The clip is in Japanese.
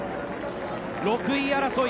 ６位争い